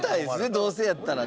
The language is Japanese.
どうせやったらね。